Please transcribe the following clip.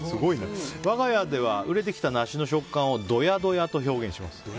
我が家では熟れてきたナシの食感をどやどやと表現します。